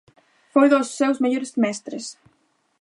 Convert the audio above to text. Foi dos seus mellores mestres.